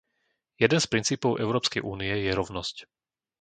Jeden z princípov Európskej únie je rovnosť.